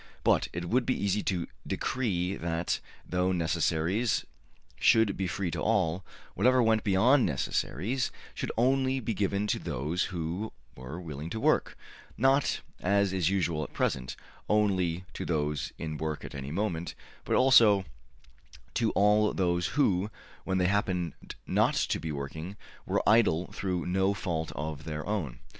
But it would be easy to decree that, though necessaries should be free to all, whatever went beyond necessaries should only be given to those who were willing to work not, as is usual at present, only to those in work at any moment, but also to all those who, when they happened not to be working, were idle through no fault of their own.